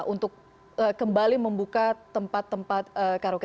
untuk kembali membuka tempat tempat karaoke